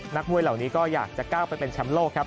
นักมวยเหล่านี้ก็อยากจะก้าวไปเป็นแชมป์โลกครับ